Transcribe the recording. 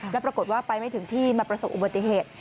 แล้วปรากฏว่าไปไม่ถึงที่มาประสบอุบัติเหตุ